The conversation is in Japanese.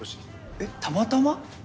えったまたま？